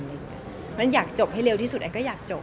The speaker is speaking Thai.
เพราะฉะนั้นอยากจบให้เร็วที่สุดแอนก็อยากจบ